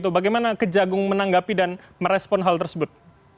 bagaimana kejagung menanggapi dan merespon hal tersebut